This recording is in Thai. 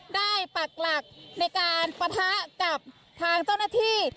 ปักหลักในการปะทะกับทางเจ้าหน้าที่